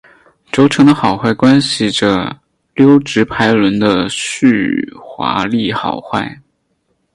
轴承的好坏关系着溜直排轮的续滑力好坏。